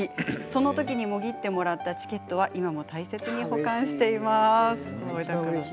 そこでもぎってもらったチケットは、今でも大切に保管しています。